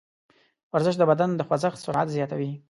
ورزش د بدن د خوځښت سرعت زیاتوي.